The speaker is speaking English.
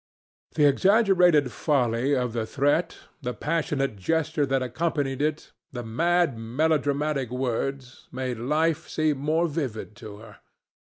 The exaggerated folly of the threat, the passionate gesture that accompanied it, the mad melodramatic words, made life seem more vivid to her.